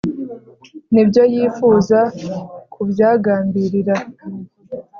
n ibyo yifuza nibyagambirira